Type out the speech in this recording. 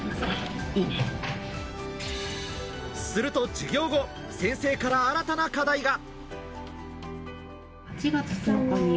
すると授業後、先生から新たな課題が。